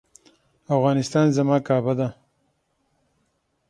افغانستان زما کعبه ده